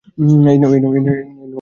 এই নেও, ভারত লাল।